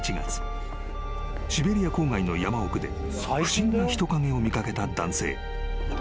［シベリア郊外の山奥で不審な人影を見掛けた男性］